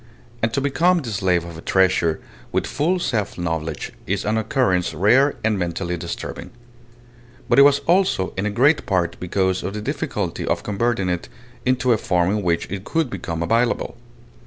And to become the slave of a treasure with full self knowledge is an occurrence rare and mentally disturbing. But it was also in a great part because of the difficulty of converting it into a form in which it could become available.